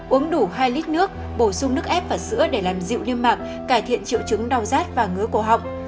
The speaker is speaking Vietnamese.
uống đủ hai lít nước bổ sung nước ép và sữa để làm dịu niêm mạc cải thiện triệu chứng đau rát và ngứa cổ họng